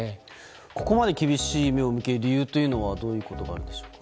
ここまで厳しい目を向ける理由というのはどういうことなんでしょう。